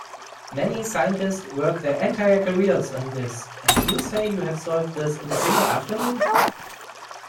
Many scientists work their entire careers on this, and you say you have solved this in a single afternoon?